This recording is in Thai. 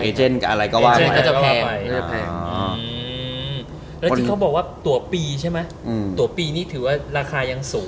ใช่เอเจนก็อะไรก็ว่าอ๋อแล้วที่เขาบอกว่าตัวปีใช่ไหมตัวปีนี่ถือว่าราคายังสูง